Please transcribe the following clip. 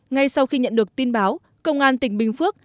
ngay sau khi nhận được tin báo công an tỉnh bình phước